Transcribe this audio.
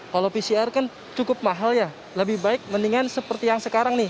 kalau pcr kan cukup mahal ya lebih baik mendingan seperti yang sekarang nih